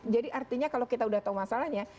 jadi artinya kalau kita sudah tahu masalahnya